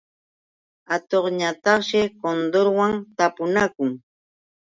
Atuqñataqshi kundurwan tapunakuq.